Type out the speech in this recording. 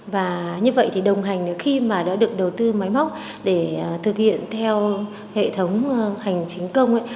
và như vậy thì đồng hành khi mà đã được đầu tư máy móc để thực hiện theo hệ thống hành chính công